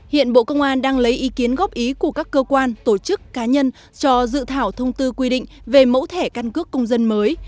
hiện bộ công an đang lấy ý kiến góp ý của các cơ quan tổ chức cá nhân cho dự thảo thông tư quy định về mẫu thẻ căn cước công dân mới